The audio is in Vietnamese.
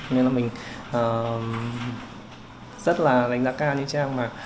nên là mình rất là đánh giá cao như trang mà